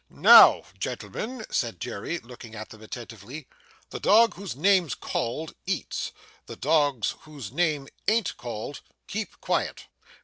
'Now, gentlemen,' said Jerry, looking at them attentively. 'The dog whose name's called, eats. The dogs whose names an't called, keep quiet.